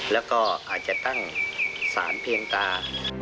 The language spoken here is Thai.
แล้วก็อาจจะตั้งสารเพียงตา